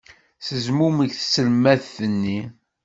Tezmumeg tselmadt-nni.